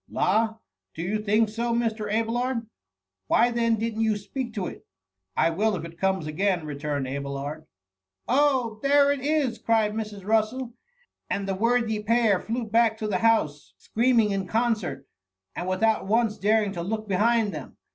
'''' La ! do you think so, Mr. Abelard ? why then didn't you speak to it ?^'^ I will if it comes again," returned Abelard. Oh ! there it is !" cried Mrs. Bussel ; and the worthy pair flew back to the house, scream ing in concert, and without once daring to look behind them.